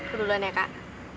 keduluan ya kak